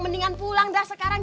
mendingan pulang dah sekarang